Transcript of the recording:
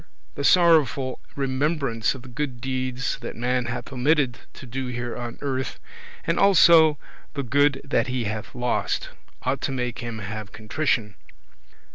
The sorrowful remembrance of the good deeds that man hath omitted to do here on earth, and also the good that he hath lost, ought to make him have contrition; 5.